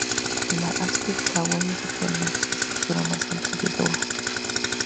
La Aspire Tower es actualmente la estructura más alta en Doha.